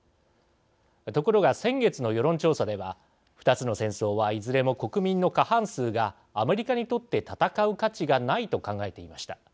ところが、先月の世論調査では２つの戦争はいずれも国民の過半数がアメリカにとって戦う価値がないと考えていました。